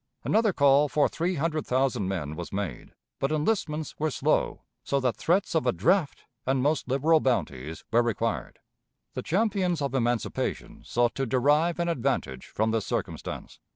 Another call for three hundred thousand men was made, but enlistments were slow, so that threats of a draft and most liberal bounties were required. The champions of emancipation sought to derive an advantage from this circumstance.